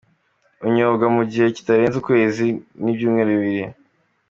Unyobwa mu gihe kitarenze ukwezi n’ibyumweru bibiri.